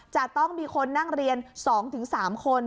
จะต้องมีคนนั่งเรียน๒๓คน